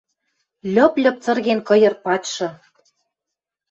Льып льыпцырген кыйыр пачшы...